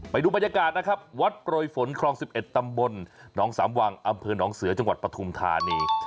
ไปดูบรรยากาศนะครับวัดโปรยฝนคลอง๑๑ตำบลหนองสามวังอำเภอหนองเสือจังหวัดปฐุมธานี